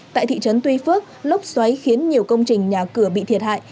tại thị trấn tuy phước lốc xoáy khiến nhiều công trình nhà cửa bị thiệt hại